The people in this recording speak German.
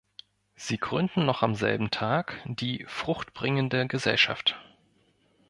Sie gründen noch am selben Tag die "Fruchtbringende Gesellschaft".